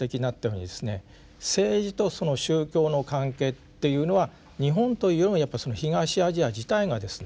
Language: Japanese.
政治とその宗教の関係っていうのは日本というよりもやっぱりその東アジア自体がですね